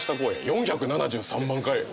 ４７３万回！